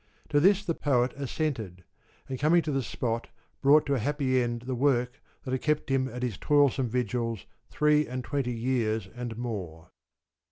To this the poet assented, and coming to the spot brought to a happy end the work that had kept him at his toilsome vigils three and twenty years and more.